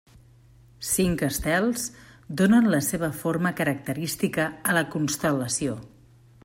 Cinc estels donen la seva forma característica a la constel·lació.